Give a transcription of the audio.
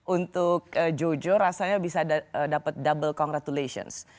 untuk jojo rasanya bisa dapat double congratulations